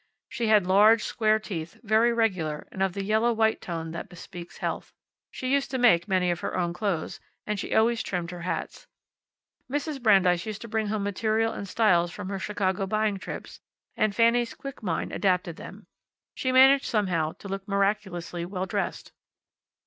She had large, square teeth, very regular, and of the yellow white tone that bespeaks health. She used to make many of her own clothes, and she always trimmed her hats. Mrs. Brandeis used to bring home material and styles from her Chicago buying trips, and Fanny's quick mind adapted them. She managed, somehow, to look miraculously well dressed.